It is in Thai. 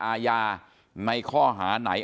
อาญาในข้อหาไหน